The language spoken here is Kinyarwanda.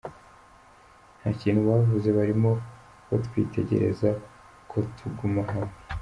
Nta kintu bavuze, barimo batwitegereza ko tuguma hamwe.